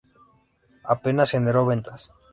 Apenas generó ventas.